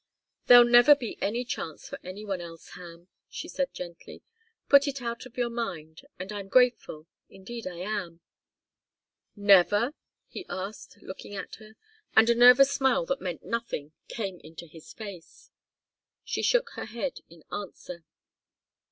"There'll never be any chance for any one else, Ham," she said gently. "Put it out of your mind and I'm grateful, indeed I am!" "Never?" he asked, looking at her and a nervous smile that meant nothing came into his face. She shook her head in answer.